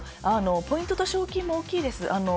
ポイントと賞金も大きいです。